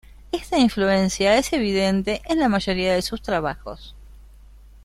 Esta influencia es evidente en la mayoría de sus trabajos.